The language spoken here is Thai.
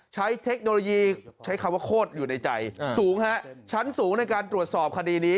เทคโนโลยีใช้คำว่าโคตรอยู่ในใจสูงฮะชั้นสูงในการตรวจสอบคดีนี้